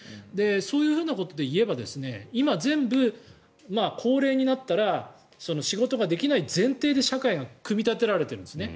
そういうことでいえば今、全部、高齢になったら仕事ができない前提で社会が組み立てられてるんですね。